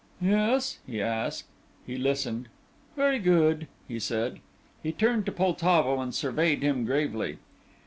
"Yes?" he asked. He listened. "Very good," he said. He turned to Poltavo, and surveyed him gravely.